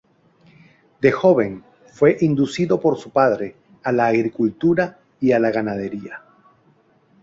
De joven fue inducido por su padre a la agricultura y a la ganadería.